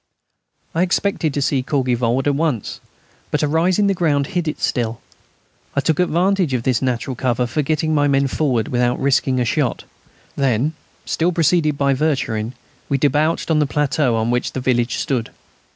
I expected to see Courgivault at once, but a rise in the ground hid it still. I took advantage of this natural cover for getting my men forward without risking a shot. Then, still preceded by Vercherin, we debouched on the plateau on which the village stood.